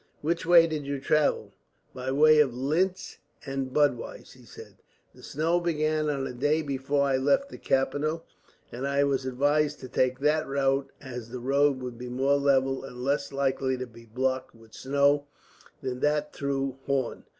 "Which way did you travel?" "By way of Linz and Budweis," he said. "The snow began on the day before I left the capital, and I was advised to take that route, as the road would be more level, and less likely to be blocked with snow than that through Horn.